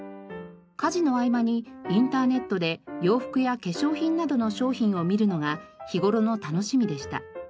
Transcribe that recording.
家事の合間にインターネットで洋服や化粧品などの商品を見るのが日頃の楽しみでした。